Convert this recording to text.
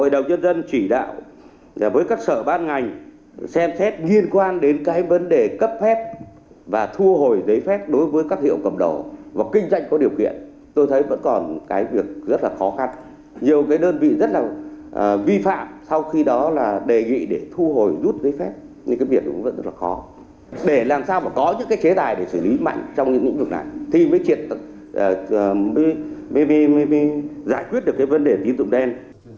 để làm sao có những chế tài để xử lý mạnh trong những vấn đề này thì mới giải quyết được vấn đề tín dụng đen